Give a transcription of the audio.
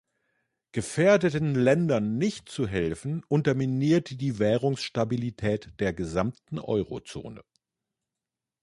Gefährdeten Ländern nicht zu helfen, unterminiert die Währungsstabilität der gesamten Eurozone.